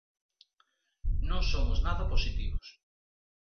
Non somos nada positivos.